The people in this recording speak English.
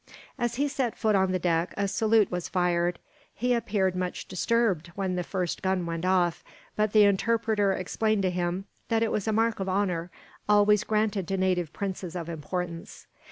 As he set foot on the deck, a salute was fired. He appeared much disturbed when the first gun went off; but the interpreter explained to him that it was a mark of honour, always granted to native princes of importance.